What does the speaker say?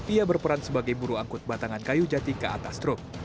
ia berperan sebagai buru angkut batangan kayu jati ke atas truk